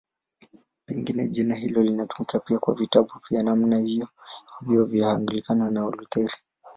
Pengine jina hilo linatumika pia kwa vitabu vya namna hiyo vya Anglikana na Walutheri.